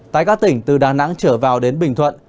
tại các tỉnh từ đà nẵng trở vào đến bình thuận